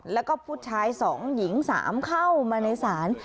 แล้วก็ผู้ชาย๒หญิง๓เข้ามาในศาล